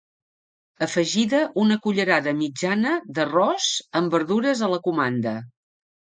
Afegida una cullerada mitjana d'arròs amb verdures a la comanda.